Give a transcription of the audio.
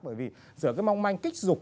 bởi vì giữa cái mong manh kích dục